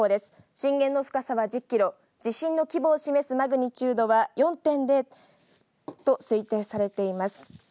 震源の深さは１０キロ、地震の規模を示すマグニチュードは４．０と推定されています。